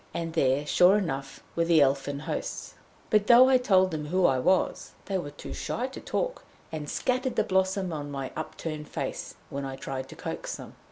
And there, sure enough, were the Elfin hosts. But though I told them who I was, they were too shy to talk, and scattered the blossom on my upturned face, when I tried to coax them.